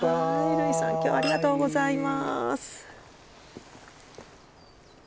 類さん今日はありがとうございます。